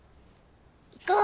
行こう！